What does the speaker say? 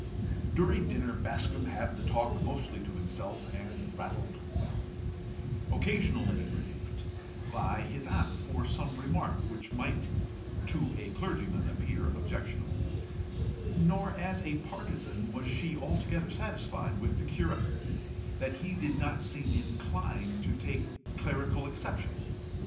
During dinner, Bascombe had the talk mostly to himself, and rattled well, occasionally rebuked by his aunt for some remark which might to a clergyman appear objectionable; nor as a partisan was she altogether satisfied with the curate that he did not seem inclined to take clerical exception.